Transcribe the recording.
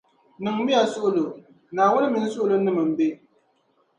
Niŋ miya suɣulo. Naawuni mini suɣulonim’ m-be.